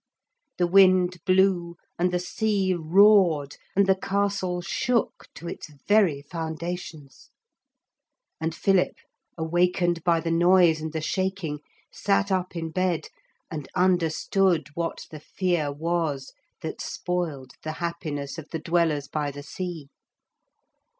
The wind blew and the sea roared and the castle shook to its very foundations. And Philip, awakened by the noise and the shaking, sat up in bed and understood what the fear was that spoiled the happiness of the Dwellers by the Sea.